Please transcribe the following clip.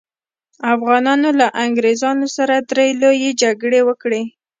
افغانانو له انګریزانو سره درې لويې جګړې وکړې.